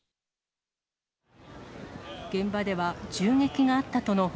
現場では銃撃があったとの報